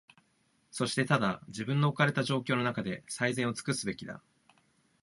そしてただ、自分の置かれた状況のなかで、最善をつくすべきだ。